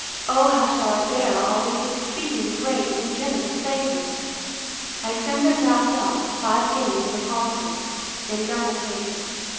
O how shall I bear all these exceeding great and generous favours!—I send them wrapt up, five guineas in a parcel, in double papers.